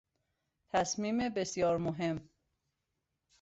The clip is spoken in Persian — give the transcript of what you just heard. تصمیم بسیار مهم